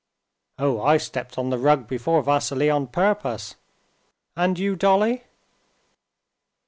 "Oh, I stepped on the rug before Vassily on purpose. And you, Dolly?"